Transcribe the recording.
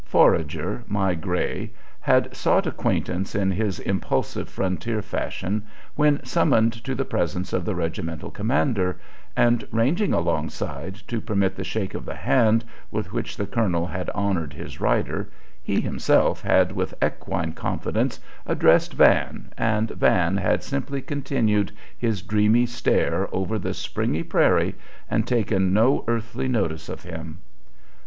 Forager, my gray, had sought acquaintance in his impulsive frontier fashion when summoned to the presence of the regimental commander, and, ranging alongside to permit the shake of the hand with which the colonel had honored his rider, he himself had with equine confidence addressed Van, and Van had simply continued his dreamy stare over the springy prairie and taken no earthly notice of him.